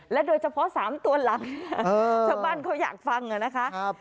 โดยเฉพาะ๓ตัวหลังชาวบ้านเขาอยากฟังนะคะ